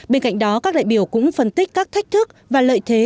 bên cạnh đó các đại biểu cũng phân tích các thách thức và lợi thế